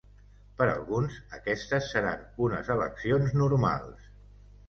Per alguns, aquestes seran unes eleccions normals.